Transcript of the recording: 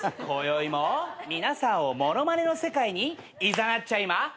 こよいも皆さんを物まねの世界にいざなっちゃいま。